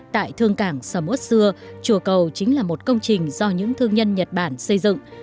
tại thương cảng sầm út xưa chùa cầu chính là một công trình do những thương nhân nhật bản xây dựng